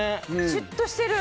シュッとしてる。